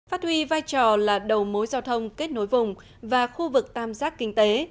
phát huy vai trò là đầu mối giao thông kết nối vùng và khu vực tam giác kinh tế